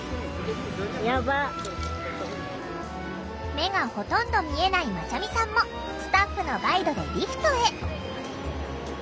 目がほとんど見えないまちゃみさんもスタッフのガイドでリフトへ。